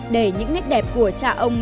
để những nét đẹp của cha ông